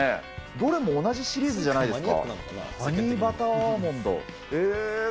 どれも同じシリーズじゃないですか。